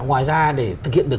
ngoài ra để thực hiện được